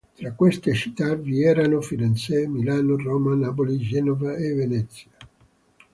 Tra queste città vi erano Firenze, Milano, Roma, Napoli, Genova e Venezia.